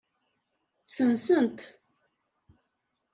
Ssensen-t.